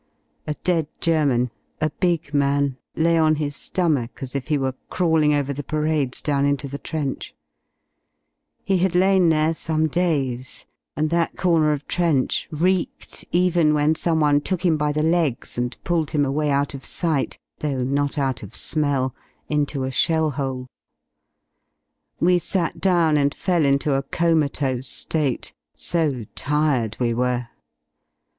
A dead German — a big man — lay on his ^omach as if he were ^ crawling over the parades down into the trench; he had lain there some days, and that corner of trench reeked even when someone took him by the legs and pulled him away out of sight, though not out of smell, into a shell hole. We sat down and fell into a comatose ^te, so tired we were.